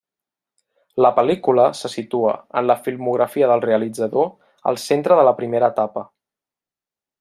La pel·lícula se situa, en la filmografia del realitzador, al centre de la primera etapa.